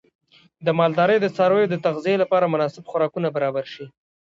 د مالدارۍ د څارویو د تغذیې لپاره مناسب خوراکونه برابر شي.